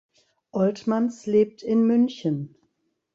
Oltmanns lebt in München.